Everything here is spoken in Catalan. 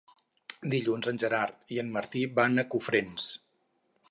Dilluns en Gerard i en Martí van a Cofrents.